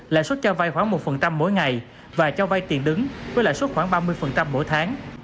lãi suất cho vai khoảng một mỗi ngày và cho vay tiền đứng với lãi suất khoảng ba mươi mỗi tháng